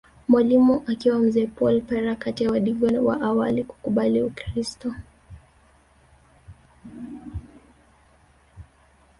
Mwalimu akiwa mzee Paul Pera kati ya wadigo wa awali kukubali Ukiristo